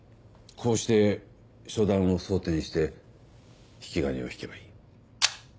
こうして初弾を装填して引き金を引けばいい。